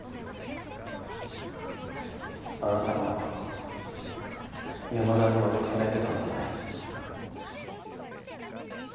あなたも山田に脅されてたんだね。